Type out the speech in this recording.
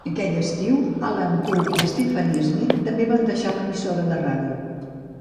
Aquell estiu Alan Cook i Stephanie Smith també van deixar l'emissora de ràdio.